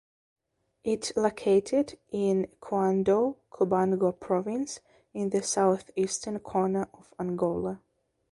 It located in Cuando Cubango Province in the southeastern corner of Angola.